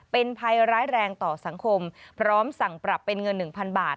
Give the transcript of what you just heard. เป็นภัยร้ายแรงต่อสังคมพร้อมสั่งปรับเป็นเงิน๑๐๐บาท